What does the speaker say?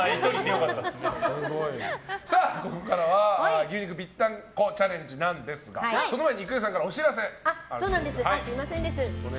ここからは牛肉ぴったんこチャレンジですがその前に郁恵さんからお知らせがあると。